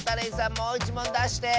もういちもんだして！